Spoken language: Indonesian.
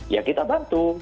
ya kita bantu